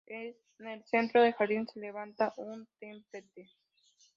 En el centro del jardín se levanta un templete.